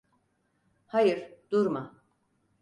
Hayır, durma.